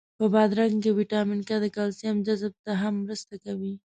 په بادرنګ کی ویټامین کا د کلسیم جذب ته هم مرسته کوي.